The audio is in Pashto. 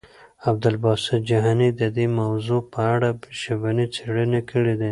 عبدالباسط جهاني د دې موضوع په اړه ژبني څېړنې کړي دي.